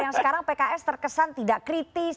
yang sekarang pks terkesan tidak kritis